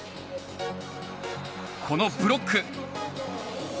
このブロック。